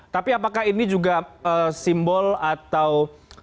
tapi apakah ini juga simbol atau